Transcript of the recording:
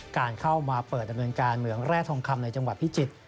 การเข้ามาเปิดดำเนินการเหมืองแร่ทองคำในจังหวัดพิจิตร